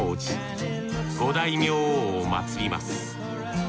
五大明王をまつります。